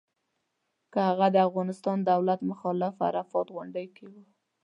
که هغه د افغانستان دولت مخالف په عرفات غونډۍ کې و.